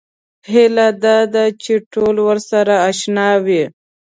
هیله دا ده چې ټول ورسره اشنا وي.